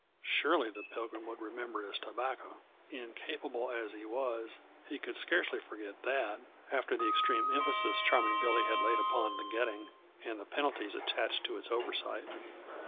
Surely, the Pilgrim would remember his tobacco! Incapable as he was, he could scarcely forget that, after the extreme emphasis Charming Billy had laid upon the getting, and the penalties attached to its oversight.